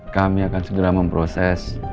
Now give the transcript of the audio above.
kami akan segera memproses